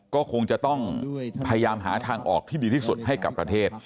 ก็คงจะต้องพยายามหาทางออกที่ดีที่สุดให้กับประเทศ